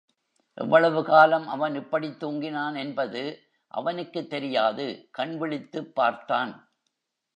எவ்வளவு காலம் அவன் இப்படித் துங்கினான் என்பது அவனுக்குத் தெரியாது கண்விழித்துப் பார்த்தான்.